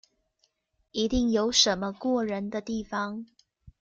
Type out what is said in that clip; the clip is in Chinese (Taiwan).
一定有什麼過人的地方